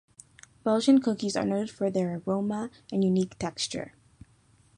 Belgian cookies are noted for their aroma and unique texture.